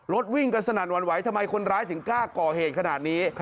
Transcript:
วิ่งกันสนั่นหวั่นไหวทำไมคนร้ายถึงกล้าก่อเหตุขนาดนี้